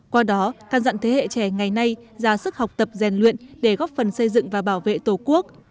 qua đó các dặn thế hệ trẻ ngày nay ra sức học tập rèn luyện để góp phần xây dựng và bảo vệ tổ quốc